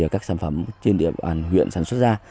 các sản phẩm trên địa bàn huyện sản xuất ra